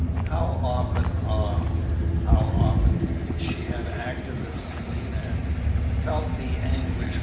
How often, ah! how often she had acted the scene and felt the anguish!